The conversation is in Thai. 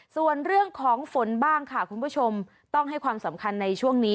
ส่วนเรื่องของฝนบ้างค่ะคุณผู้ชมต้องให้ความสำคัญในช่วงนี้